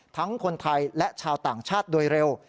ทั้งคนไทยและชาวต่างชาติโดยเร็ว